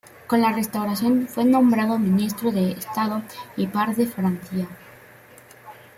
Con la Restauración, fue nombrado ministro de Estado y par de Francia.